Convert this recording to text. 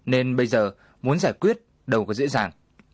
nên bây giờ muốn giải quyết đâu có dễ dàng